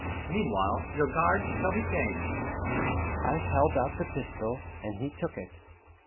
Meanwhile, your guards shall be changed." I held out the pistol, and he took it.